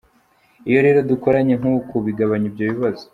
Iyo rero dukoranye nk’uku bigabanya ibyo bibazo.